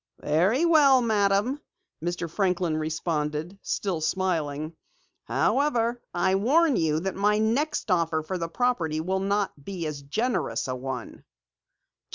"Very well, Madam," Mr. Franklin responded, still smiling. "However, I warn you that my next offer for the property will not be as generous a one."